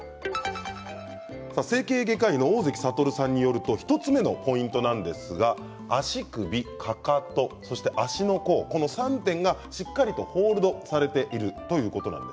整形外科医の大関覚さんによると１つ目のポイントは足首かかと足の甲の３点がしっかりとホールドされているということ。